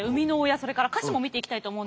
それから歌詞も見ていきたいと思うんですけど。